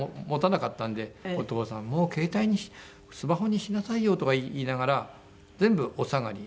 「お父さんもう携帯にスマホにしなさいよ」とか言いながら全部お下がり。